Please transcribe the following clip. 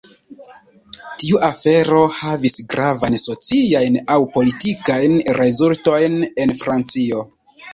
Tiu afero havis gravajn sociajn aŭ politikajn rezultojn en Francio.